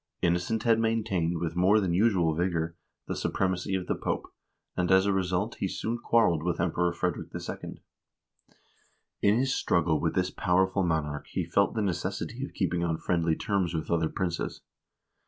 Innocent had maintained with more than usual vigor the supremacy of the Pope, and as a result he soon quarrelled with Emperor Frederick II. In his struggle with this powerful monarch he felt the necessity of keeping on friendly terms with other princes.